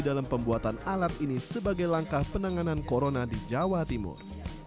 dalam pembuatan alat ini sebagai langkah penanganan corona di jawa timur